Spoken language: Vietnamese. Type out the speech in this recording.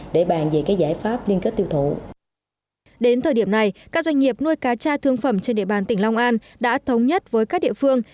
đến thời điểm này các doanh nghiệp nuôi cá cha thương phẩm trên địa bàn tỉnh long an đã thống nhất với các địa phương